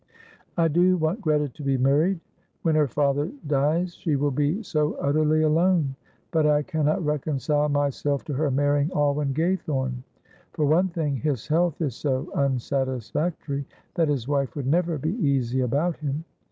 "I do want Greta to be married. When her father dies she will be so utterly alone, but I cannot reconcile myself to her marrying Alwyn Gaythorne. For one thing, his health is so unsatisfactory that his wife would never be easy about him.